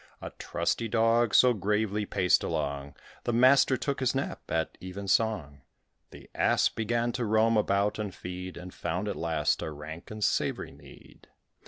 A trusty Dog so gravely paced along, The master took his nap at even song: The Ass began to roam about and feed, And found, at last, a rank and savoury mead.